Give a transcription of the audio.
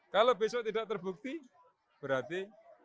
kalau besok tidak terbukti berarti